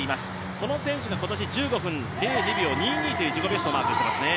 この選手が今年１５分２秒２２という自己ベストをマークしていますね。